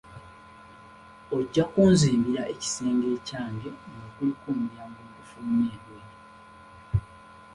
Ojja kunzimbira ekisenge ekyange nga kiriko omulyango ogufuluma ebweru.